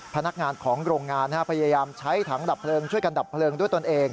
พนักงานของโรงงานพยายามใช้ถังดับเพลิงช่วยกันดับเพลิงด้วยตนเอง